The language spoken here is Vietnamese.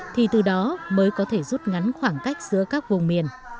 thì từ đó mới có thể rút ngắn khoảng cách giữa các vùng miền